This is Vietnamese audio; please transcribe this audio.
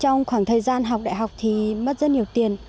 trong khoảng thời gian học đại học thì mất rất nhiều tiền